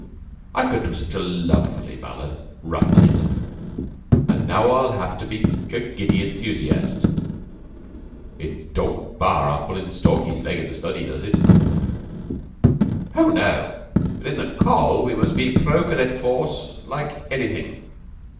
I could do such a lovely ballad, rottin' it; and now I'll have to be a giddy enthusiast. It don't bar our pulling Stalky's leg in the study, does it?" "Oh, no; but in the Coll. we must be pro cadet corps like anything.